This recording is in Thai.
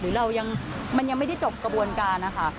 หรือเรายังมันยังไม่ได้จบกระบวนการนะคะ